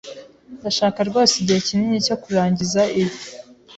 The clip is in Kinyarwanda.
Ndashaka rwose igihe kinini cyo kurangiza ibi.